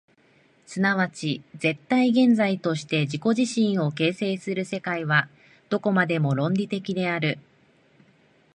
即ち絶対現在として自己自身を形成する世界は、どこまでも論理的である。